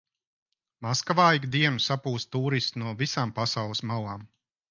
Maskavā ik dienu saplūst tūristi no visām pasaules malām.